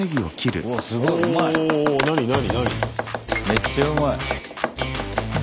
めっちゃうまい。